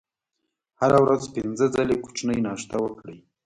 هره ورځ پنځه ځلې کوچنۍ ناشته وکړئ.